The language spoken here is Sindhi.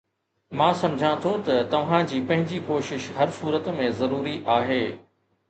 مان سمجهان ٿو ته توهان جي پنهنجي ڪوشش هر صورت ۾ ضروري آهي.